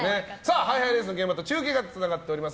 ハイハイレースの現場と中継がつながっております。